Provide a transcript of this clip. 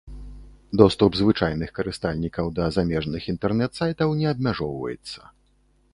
Доступ звычайных карыстальнікаў да замежных інтэрнэт-сайтаў не абмяжоўваецца.